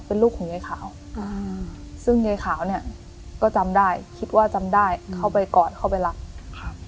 เป็นลูกของยายขาวซึ่งยายขาวเนี่ยก็จำได้คิดว่าจำได้เข้าไปก่อนเข้าไปรับครับ